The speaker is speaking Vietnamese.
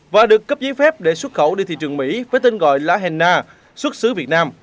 và được cấp giấy phép để xuất khẩu đi thị trường mỹ với tên gọi là henna xuất xứ việt nam